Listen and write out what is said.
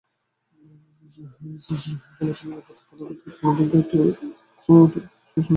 ফলত নিরাপত্তা প্রদানে গুরুত্বপূর্ণ একটি পদক্ষেপ অন-স্ক্রিন কীবোর্ড- যা সকল কী-লগার থেকে নিরাপদ না।